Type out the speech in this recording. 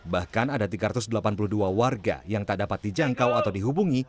bahkan ada tiga ratus delapan puluh dua warga yang tak dapat dijangkau atau dihubungi